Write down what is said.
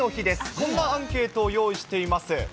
こんなアンケートを用意しています。